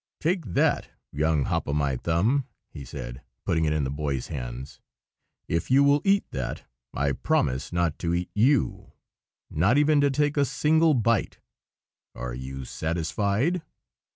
"Take that, young Hop o' my thumb," he said, putting it in the Boy's hands. "If you will eat that, I promise not to eat you,—not even to take a single bite. Are you satisfied?"